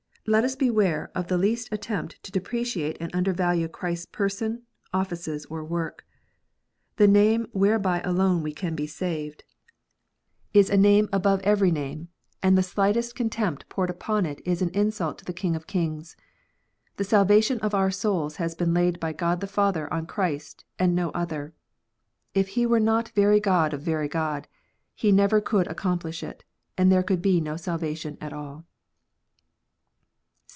Let us beware of the least attempt to depreciate and undervalue Christ s person, offices, or work. The name whereby alone we can be saved, is a name above every ONLY ONE WAY OF SALVATION. 3*7 name, and the slightest contempt poured upon it is an insult to the King of kings. The salvation of our souls has been laid by God the Father on Christ, and no other. If He were not very God of very God, He never could accomplish it, and there could be no salvation at all.